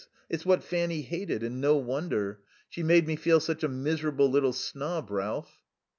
It's what Fanny hated. And no wonder. She made me feel such a miserable little snob, Ralph."